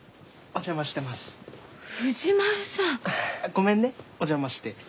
ごめんねお邪魔して。